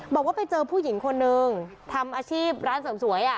บอกว่าไปเจอผู้หญิงคนนึงทำอาชีพร้านเสริมสวย